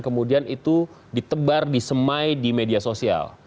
kemudian itu ditebar disemai di media sosial